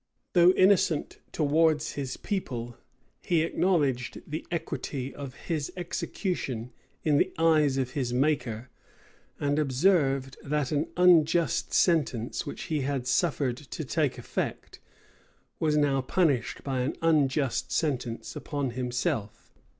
Though innocent towards his people, he acknowledged the equity of his execution in the eyes of his Maker; and observed, that an unjust sentence which he had suffered to take effect, was now punished by an unjust sentence upon himself.